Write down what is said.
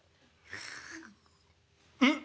「うん？